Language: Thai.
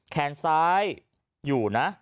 แขนซ้ายอยู่นะ